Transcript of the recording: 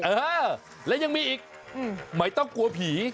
เออและยังมีอีกไม่ต้องกลัวผี